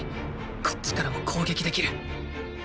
こっちからも攻撃できる。